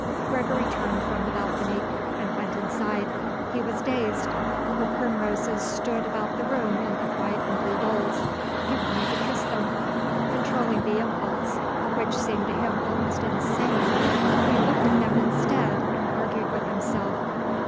Gregory turned from the balcony and went inside. He was dazed. Her primroses stood about the room in the white and blue bowls. He wanted to kiss them. Controlling the impulse, which seemed to him almost insane, he looked at them instead and argued with himself.